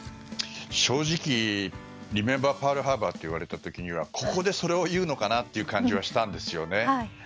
正直リメンバー・パールハーバーと言われた時にはここでそれを言うのかなという感じがしたんですね